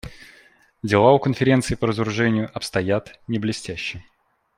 Дела у Конференции по разоружению обстоят не блестяще.